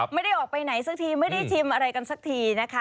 ไม่ได้ออกไปไหนสักทีไม่ได้ชิมอะไรกันสักทีนะคะ